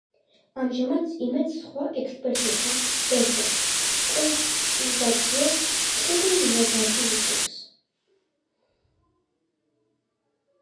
ამჟამად „იმედს“ სხვა ექსპერტებთან ერთად კონსულტაციას კირილ ლეგატი უწევს.